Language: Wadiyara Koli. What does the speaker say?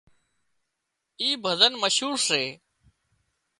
اين ڀزن مشهور سي